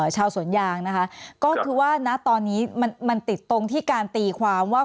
ชาวสวนยางนะคะก็คือว่าณตอนนี้มันติดตรงที่การตีความว่า